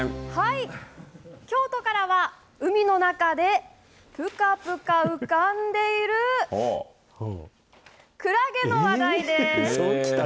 京都からは、海の中でぷかぷか浮かんでいるクラゲの話題です。